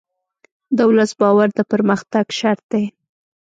د ولس باور د پرمختګ شرط دی.